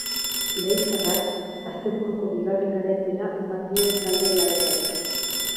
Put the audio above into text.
Leitzarrak asteburuko bigarren garaipena eman dio talde laranjari.